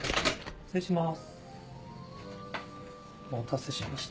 失礼します。